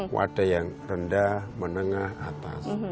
wadah yang rendah menengah atas